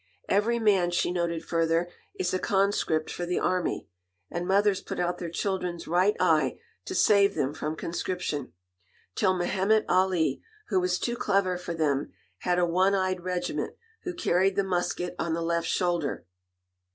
"Every man," she noted further, "is a conscript for the army, and mothers put out their children's right eye to save them from conscription, till Mehemet Ali, who was too clever for them, had a one eyed regiment, who carried the musket on the left shoulder."